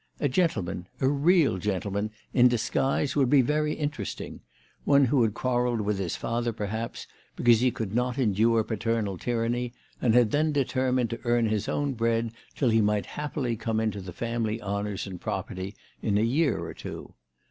A gentleman, a real gentleman, in disguise would be very interesting ; one who had quarrelled with his father, perhaps, because he would not endure paternal tyranny, and had then determined to earn his own bread till he might happily come into the family honours and property in a year or two.